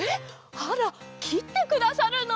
あらきってくださるの？